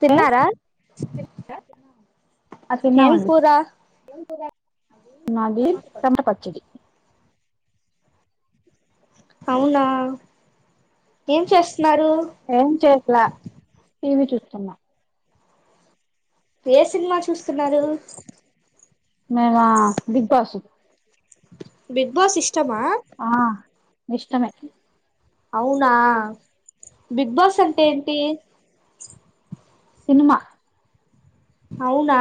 తిన్నారా ఏం కూర నాది టమాట పచ్చడి అవునా ఏం చేస్తున్నారు ఏం చేయటల టీవ చూస్తున్నా ఏ సినిమా చూస్తున్నారు మేమా బిగ్ బాస్ బిగ్ బాస్ ఇష్టమా ఇష్టమే అవునా బిగ్ బాస్ అంటే ఏంటి సినిమా అవునా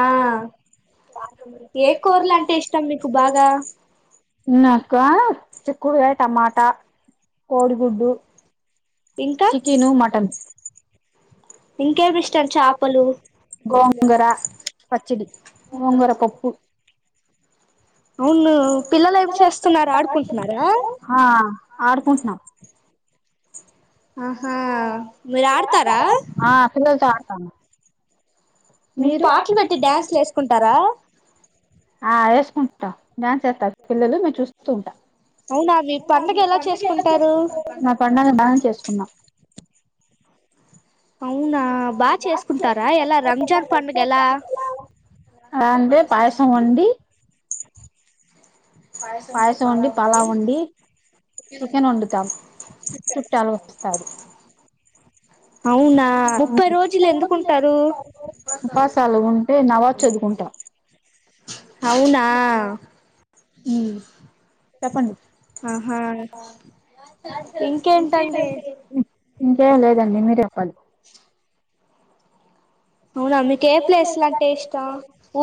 ఏ కూరలు అంటే ఇష్టం మీకు బాగా తిన్న ఆక చిక్కుడుకాయ టమాటా కోడిగుడ్డు చికెను మటన్ ఇంకేం ఇష్టం చాపలు గోంగూర పచ్చిమిర్చి గోంగూర పప్పు పిల్లలు ఏం చేస్తున్నారు ఆడుకుంటున్నారా ఆ ఆడుకుంటున్నాం ఆహా మీరు ఆడుతారా మీరు పాటలు పెట్టీ డన్స్ లు వేసుకుంటారా ఆ వేసుకుంటుా డ్యాన్స్ వేస్తారు పిల్లలు నేను చూస్తూ ఉంటా అవునా మీరు పండుగ ఎలా చేసుకుంటారు అవునా బాగా చేసుకుంటారా ఎలా రంజాన్ పడుగ ఎలా పయసం వండి పాలా వండి చికెన్ వండుతాం [unintelligible] అవునా ముప్పై రోజులు ఎందుకుంటారు అవునా చెప్పండి ఇంకేం లేదండి మీరే చెప్పాలి అవునా మీక ఏ ప్లేస్ లు అంటే ఇష్టం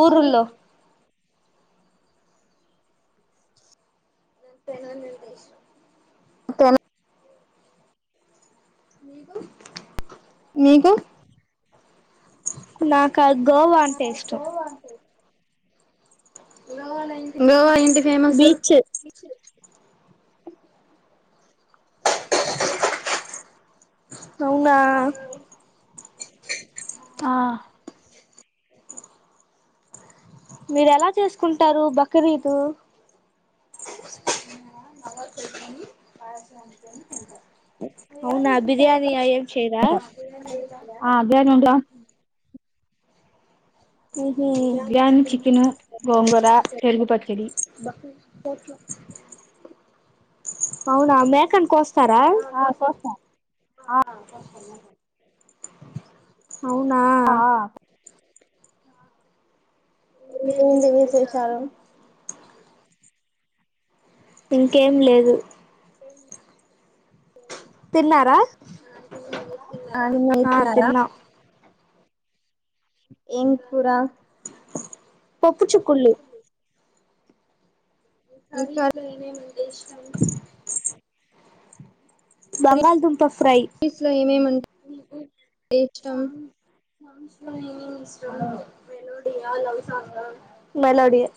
ఊరుల్లో అంతేనా నిర్దేశ అంతెన మీకు మీకు నా క గోవా అంటే ఇష్టం గోవా ఏంటి ఫేమస్ అవునా ఆ మీరు ఎలా చేసుకుంటారు బక్రీద్ నమాజు చేసుకొని పాయసం తింటాం అవునా బిర్యానీ అయి ఏం చేయరా లా బిర్యానీ చికెను గోంగూర పెరుగు పచ్చడి అవునా మేకను కోస్త్ తర అవునా ఆ ఇంకేంటి విశేషాలు ఇంకేం లేదు తిన్నారా ఆ నిన్న ఎతినారా ఏం కూరా పప్పుచుక్కుళ్ళు కర్రీస్ లో ఏమేమి బంగల్ దుంప లో ఏమేముంటా ఏమిష్టం మెలోడి యా లవ్ సాంగ్సా మెలోడి యే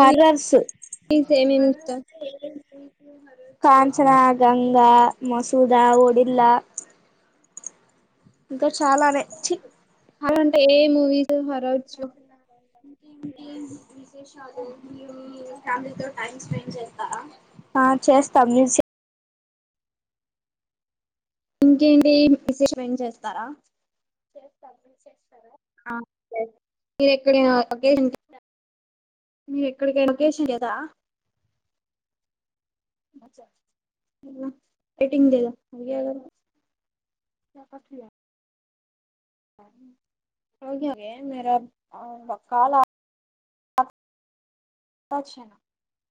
హర్రర్స్ కాంచనా గంగా మసూదా ఒడిల్లా ఇంక చాలానే తి అమె ఉంటే నువ్ ఈ రోజు నడవచ్చు. ఇంకేంటి విశేష ఆ చేస్తాం మీరు చేస్తా ఇంకేంటి మెసేజ ఫం చేస్తారా చేస్తా మీర ఎక్కడిక లొకేషన్ వెల్లారా కటింగ్ దో [inaudible]